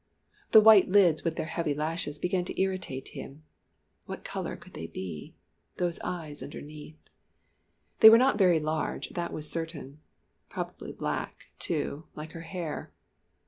The white lids with their heavy lashes began to irritate him. What colour could they be? those eyes underneath. They were not very large, that was certain probably black, too, like her hair.